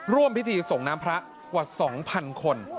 ร่วมพิธีส่งน้ำพระกว่า๒๐๐๐คน